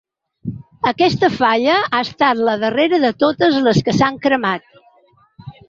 Aquesta falla ha estat la darrera de totes les que s’han cremat.